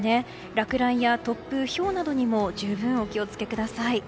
落雷や突風、ひょうなどにも十分お気を付けください。